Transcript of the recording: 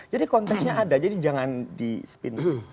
jadi konteksnya ada jadi jangan di spin